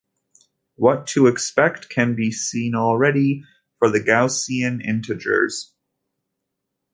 What to expect can be seen already for the Gaussian integers.